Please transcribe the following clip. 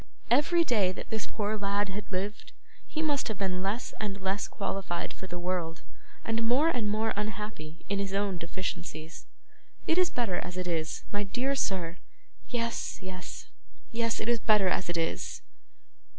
Every day that this poor lad had lived, he must have been less and less qualified for the world, and more and more unhappy in is own deficiencies. It is better as it is, my dear sir. Yes, yes, yes, it's better as it is.